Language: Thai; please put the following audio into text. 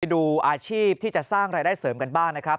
ดูอาชีพที่จะสร้างรายได้เสริมกันบ้างนะครับ